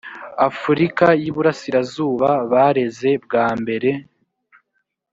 afurika y iburasirazuba bareze bwa mbere